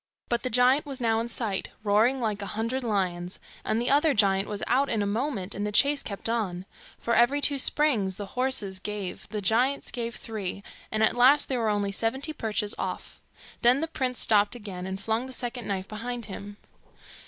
But the giant was now in sight, roaring like a hundred lions, and the other giant was out in a moment, and the chase kept on. For every two springs the horses gave, the giants gave three, and at last they were only seventy perches off. Then the prince stopped again, and flung the second knife behind him.